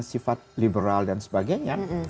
sifat liberal dan sebagainya